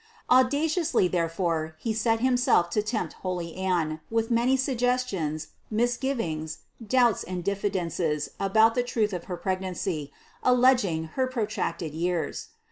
Audaciously therefore he set himself to tempt holy Anne, with many suggestions, misgivings, doubts and diffidences about the truth of her pregnancy, alleging her protracted years.